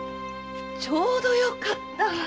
ちょうどよかった！